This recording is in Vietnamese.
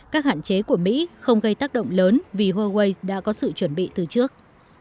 các hạn chế của mỹ không gây tác động lớn vì huawei đã có sự chuẩn bị từ trước